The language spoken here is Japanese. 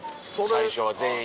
最初は全員。